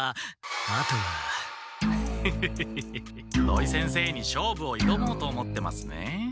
土井先生に勝負をいどもうと思ってますね？